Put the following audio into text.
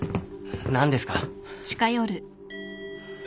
何ですか？